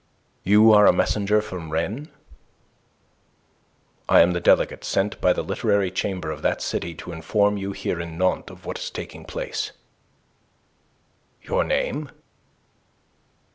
"You are a messenger from Rennes?" "I am the delegate sent by the Literary Chamber of that city to inform you here in Nantes of what is taking place." "Your name?"